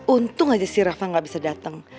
untung aja si reva nggak bisa datang